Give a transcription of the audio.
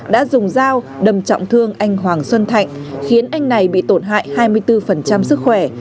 đã dùng dao đâm trọng thương anh hoàng xuân thạnh khiến anh này bị tổn hại hai mươi bốn sức khỏe